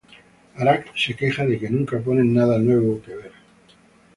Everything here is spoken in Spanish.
Arak se queja de que nunca ponen nada nuevo que ver.